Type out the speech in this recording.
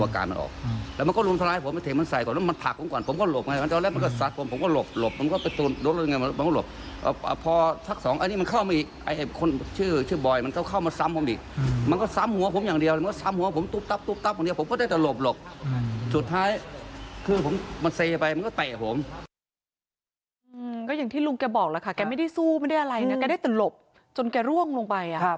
แกไม่ได้สู้ไม่ได้อะไรแกได้แต่หลบจนแกร่วงลงไป